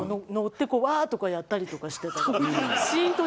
乗ってこうワー！とかやったりとかしてたら。